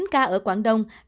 chín ca ở quảng đông